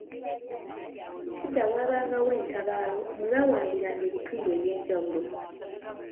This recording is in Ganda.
Edda waabangawo entabaalo mwe baawambiranga ebitundu eby'enjawulo.